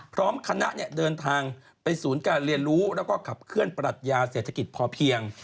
พร้อมคณะเดินทางไปศูนย์การเรียนรู้แล้วก็ขับเคลื่อนปรัชญาเศรษฐกิจพอเพียง